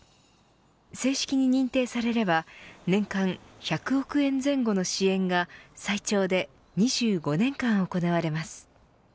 正式に認定されれば年間１００億円前後の支援が最長で２５年間行われます。